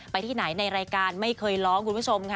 ที่ไหนในรายการไม่เคยร้องคุณผู้ชมค่ะ